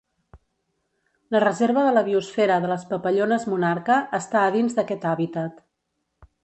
La Reserva de la Biosfera de les Papallones Monarca està a dins d'aquest hàbitat.